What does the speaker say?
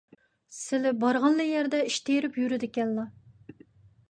سىلى بارغانلا يەردە ئىش تېرىپ يۈرىدىكەنلا.